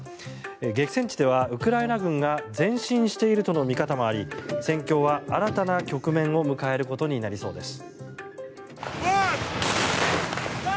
激戦地ではウクライナ軍が前進しているとの見方もあり戦況は新たな局面を迎えることになりそうです。